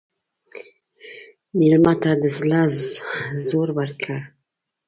مېلمه ته د زړه زور ورکړه.